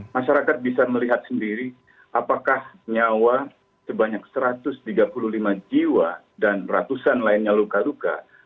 masyarakat bisa melihat sendiri apakah nyawa sebanyak satu ratus tiga puluh lima jiwa dan ratusan lainnya luka luka